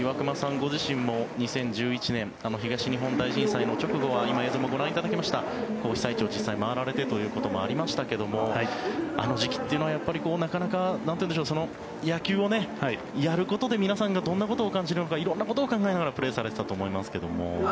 ご自身も２０１１年東日本大震災の直後は今、映像もご覧いただきました実際に被災地を回られてということもありましたがあの時期というのはなかなか、野球をやることで皆さんがどんなことを感じるのか色んなことを考えながらプレーしていたと思いますけど。